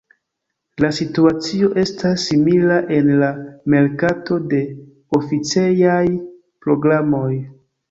La situacio estas simila en la merkato de oficejaj programoj.